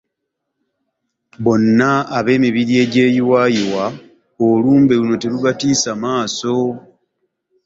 Bonna ab’emibiri egyeyiwaayiwa, olumbe luno terubatiisa maaso.